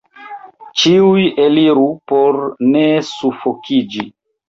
ĉiuj eliru, por ne sufokiĝi!